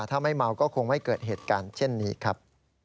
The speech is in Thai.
ถ้าไม่เมาก็คงไม่เกิดเหตุการณ์เช่นนี้ครับ